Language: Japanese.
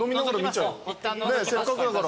せっかくだから。